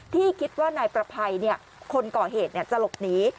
ที่คิดว่านายประภัยคนก่อเหตุจะหลบหนี